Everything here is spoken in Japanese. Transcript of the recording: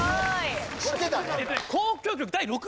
知ってたね。